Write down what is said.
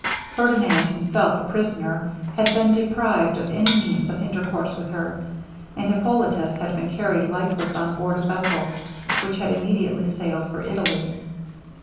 Ferdinand himself a prisoner, had been deprived of any means of intercourse with her, and Hippolitus had been carried lifeless on board a vessel, which had immediately sailed for Italy.